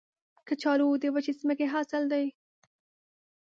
کچالو د وچې ځمکې حاصل دی